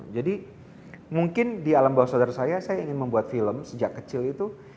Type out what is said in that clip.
jadi mungkin di alam bawah saudara saya saya ingin membuat film sejak kecil itu